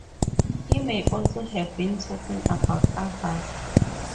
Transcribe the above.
He may also have been talking about Avars.